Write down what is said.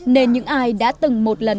nên những ai đã từng một lần